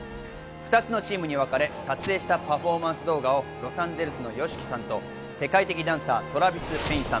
２つのチームに分かれ撮影したパフォーマンス動画をロサンゼルスのＹＯＳＨＩＫＩさんと世界的ダンサー、トラヴィス・ペインさん。